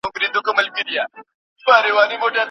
د شافعي فقهاوو هم دغه قول دی.